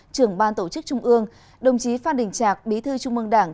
trưởng ban tổ chức trung ương đồng chí phan đình trạc bí thư trung mương đảng